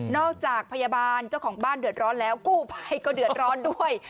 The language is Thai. จากพยาบาลเจ้าของบ้านเดือดร้อนแล้วกู้ภัยก็เดือดร้อนด้วย